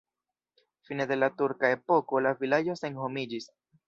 Fine de la turka epoko la vilaĝo senhomiĝis.